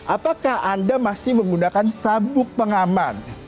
apakah anda masih menggunakan sabuk pengaman